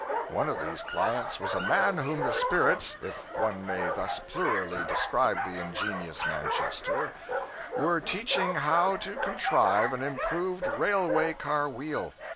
One of these clients was a man whom the spirits (if one may thus plurally describe the ingenious Manchester) were teaching how to contrive an improved railway car wheel.